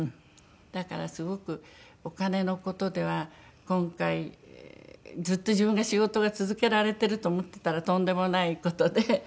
だからすごくお金の事では今回ずっと自分が仕事が続けられてると思ってたらとんでもない事で。